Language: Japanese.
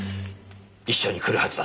一緒に来るはずだった。